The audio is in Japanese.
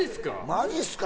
マジっすか？